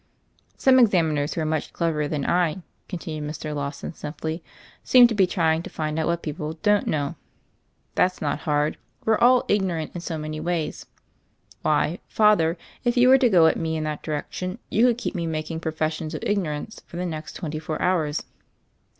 "Some examiners who are much cleverer than I," continued Mr. Lawson simply, "seem to be trying to find out what people doWt know. THE FAIRY OF THE SNOWS 207 That's not hard. We're all ignorant in so many ways. Why, Father, if you were to go at me in that direction you could keep me making pro fessions of ignorance for the next twenty four hours."